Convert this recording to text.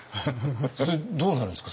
それどうなるんですか？